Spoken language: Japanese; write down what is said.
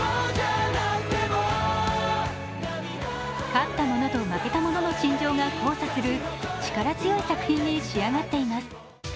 勝った者と負けた者の心情が交差する力強い作品に仕上がっています。